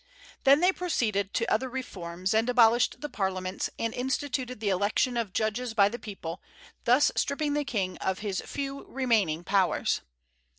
Then they proceeded to other reforms, and abolished the parliaments, and instituted the election of judges by the people, thus stripping the King of his few remaining powers.